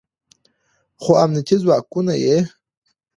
خو امنیتي ځواکونه یې